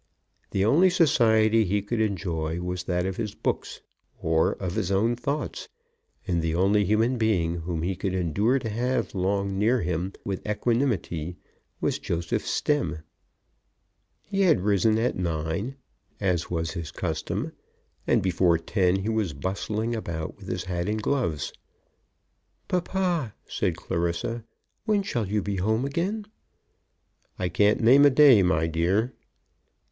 The only society he could enjoy was that of his books or of his own thoughts, and the only human being whom he could endure to have long near him with equanimity was Joseph Stemm. He had risen at nine, as was his custom, and before ten he was bustling about with his hat and gloves. "Papa," said Clarissa, "when shall you be home again?" "I can't name a day, my dear."